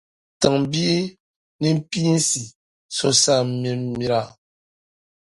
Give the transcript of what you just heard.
Tiŋbia nimpiinsi so saan’ nimmira.